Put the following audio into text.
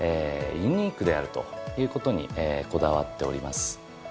ユニークであるということにこだわっております。